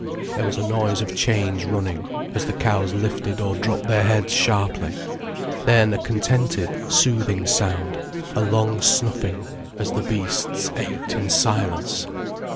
There was a noise of chains running, as the cows lifted or dropped their heads sharply; then a contented, soothing sound, a long snuffing as the beasts ate in silence.